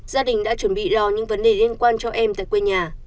gia đình đã chuẩn bị lo những vấn đề liên quan cho em tại quê nhà